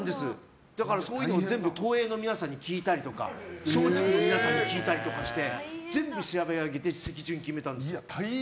そういうのを全部東映の皆さんに聞いたりとか松竹の皆さんに聞いたりして全部調べ上げて席順決めたんです。